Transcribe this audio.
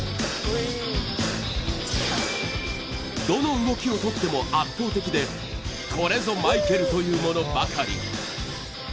どの動きをとっても圧倒的でこれぞマイケルというものばかり。